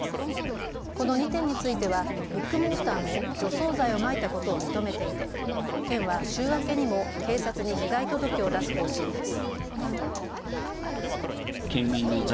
この２店についてはビッグモーターも除草剤をまいたことを認めていて県は週明けにも警察に被害届を出す方針です。